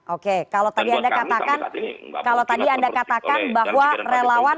oke kalau tadi anda katakan bahwa relawan